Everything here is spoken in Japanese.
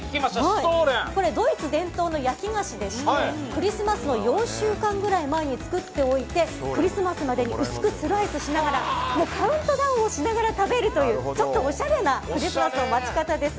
これはドイツ伝統の焼き菓子でクリスマスの４週間くらい前に作っておいてクリスマスまでに薄くスライスしながらカウントダウンをしながら食べるというちょっとおしゃれなクリスマスの待ち方です。